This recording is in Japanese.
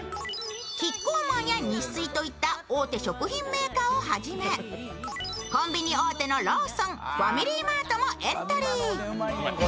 キッコーマンやニッスイといった大手食品メーカーをはじめコンビニ大手のローソンファミリーマートもエントリー。